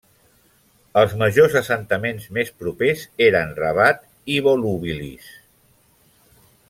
Els majors assentaments més propers eren Rabat i Volubilis.